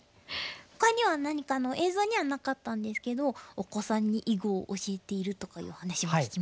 ほかには何か映像にはなかったんですけどお子さんに囲碁を教えているとかいう話も聞きました。